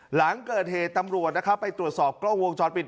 หลังเกิดเหตุตำรวจนะครับไปตรวจสอบกล้องวงจรปิด